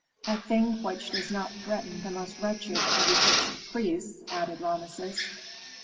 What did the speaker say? "A thing which does not threaten the most wretched of Egyptian priests," added Rameses.